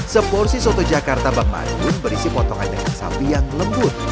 seporsi soto jakarta bak madun berisi potongan daging sapi yang lembut